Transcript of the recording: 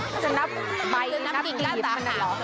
คุณจะนับใบที่นับกี่กั้นละ